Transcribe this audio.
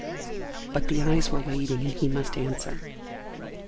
But the eyes were waiting and he must answer.